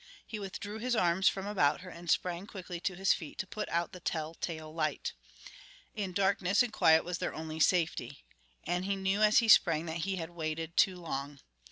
He withdrew his arms from about her and sprang quickly to his feet to put out the tell tale light. In darkness and quiet was their only safety. And he knew as he sprang that he had waited too long.